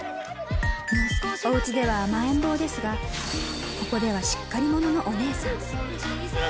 おうちでは甘えん坊ですが、ここではしっかり者のお姉さん。